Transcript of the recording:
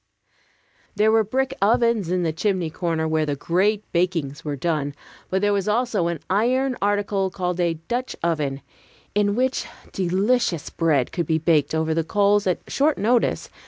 There were brick ovens in the chimney corner, where the great bakings were done; but there was also an iron article called a "Dutch oven," in which delicious bread could be baked over the coals at short notice.